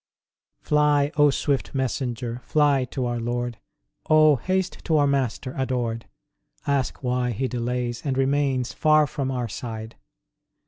Fly, O swift messenger, Fly to our Lord ! Oh, haste to our Master adored ! Ask why He delays, and remains Far from our side.